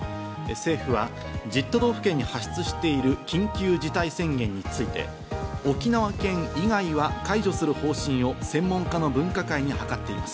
政府は１０都道府県に発出している緊急事態宣言について、沖縄県以外は解除する方針を専門家の分科会に諮っています。